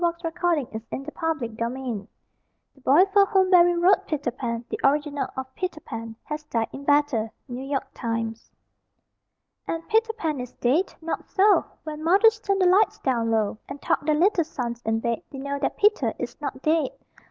[Illustration: The 5:42] PETER PAN "The boy for whom Barrie wrote Peter Pan the original of Peter Pan has died in battle." New York Times. And Peter Pan is dead? Not so! When mothers turn the lights down low And tuck their little sons in bed, They know that Peter is not dead....